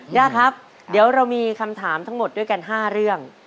ย่าครับเดี๋ยวเรามีคำถามทั้งหมดด้วยกัน๕เรื่อง